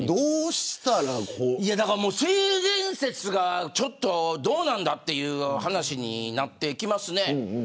性善説が、ちょっとどうなんだという話になってきますね。